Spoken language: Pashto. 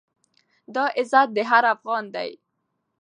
دا عزت د هر افــــغـــــــان دی،